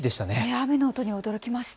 雨の音に驚きました。